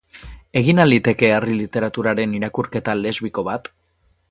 Egin al liteke herri literaturaren irakurketa lesbiko bat?